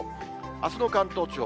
あすの関東地方。